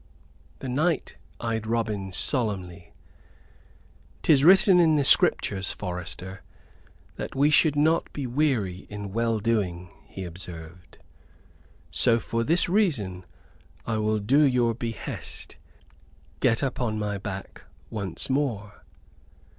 The knight eyed Robin solemnly. "'Tis written in the Scriptures, forester, that we should not be weary in well doing," he observed, "so for this reason I will do your behest. Get upon my back once more."